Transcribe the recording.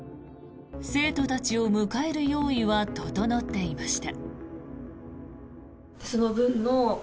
生徒たちを迎える用意は整っていました。